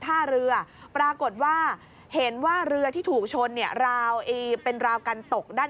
ท่าเรือปรากฏว่าเห็นว่าเรือที่ถูกชนเนี่ยราวเป็นราวกันตกด้าน